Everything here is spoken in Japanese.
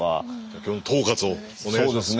今日の統括をお願いします。